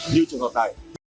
như trường hợp này